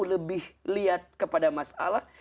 lebih lihat kepada masalah